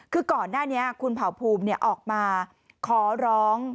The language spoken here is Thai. คือก่อนหน้านี้คุณเผ่าภูมิออกมาขอร้อง